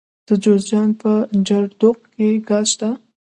د جوزجان په جرقدوق کې ګاز شته.